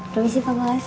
provisi pak bos